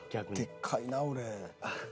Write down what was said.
「でっかいな俺」